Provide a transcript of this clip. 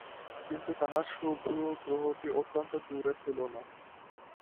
কিন্তু তাহার শুভগ্রহটি অত্যন্ত দূরে ছিল না।